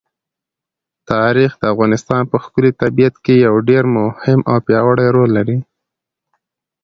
تاریخ د افغانستان په ښکلي طبیعت کې یو ډېر مهم او پیاوړی رول لري.